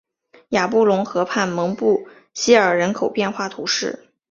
雅布龙河畔蒙布谢尔人口变化图示